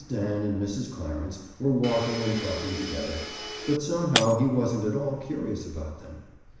Dan and Mrs. Clarence were walking and talking together, but somehow he wasn't at all curious about them.